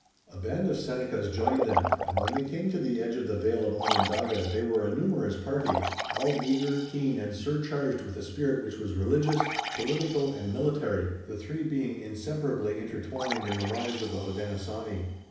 A band of Senecas joined them, and when they came to the edge of the vale of Onondaga they were a numerous party, all eager, keen, and surcharged with a spirit which was religious, political and military, the three being inseparably intertwined in the lives of the Hodenosaunee.